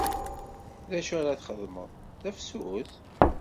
D acu ara txeddmeḍ, Tafsut?